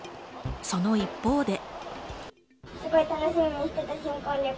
その一方で。